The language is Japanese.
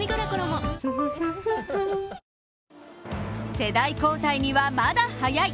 世代交代にはまだ早い。